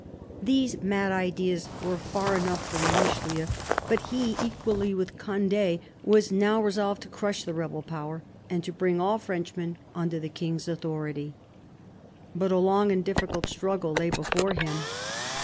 These mad ideas were far enough from Richelieu ; but he, equally with Conde, was now resolved to crush the rebel power, and to bring all Frenchmen under the King's authority. But a long and difficult struggle lay before him.